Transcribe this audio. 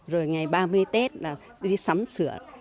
rồi ngày ba mươi tết là đi sắm sữa